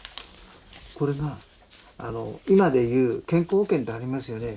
これが今で言う健康保険ってありますよね